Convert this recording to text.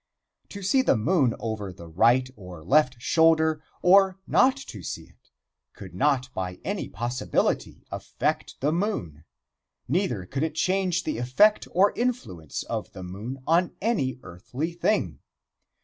To see the moon over the right or left shoulder, or not to see it, could not by any possibility affect the moon, neither could it change the effect or influence of the moon on any earthly thing.